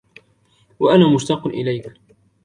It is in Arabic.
وأنا مشتاق إليك.